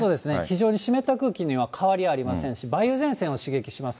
非常に湿った空気には変わりありませんし、梅雨前線を刺激します。